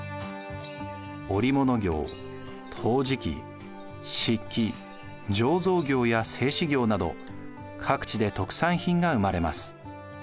織物業陶磁器漆器醸造業や製紙業など各地で特産品が生まれます。